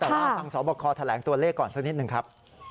แต่ว่าฟังสอบคอแถลงตัวเลขก่อนสักนิดหนึ่งครับ